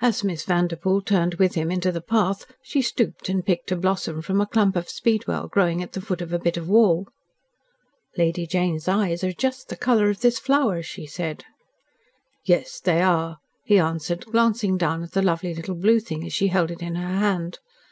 As Miss Vanderpoel turned with him into the path, she stooped and picked a blossom from a clump of speedwell growing at the foot of a bit of wall. "Lady Jane's eyes are just the colour of this flower," she said. "Yes, they are," he answered, glancing down at the lovely little blue thing as she held it in her hand.